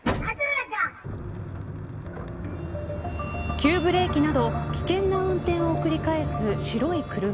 急ブレーキなど危険な運転を繰り返す白い車。